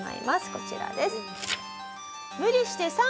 こちらです。